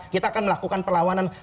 kita akan melakukan perlawanan